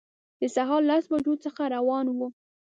د سهار لسو بجو څخه روان وو.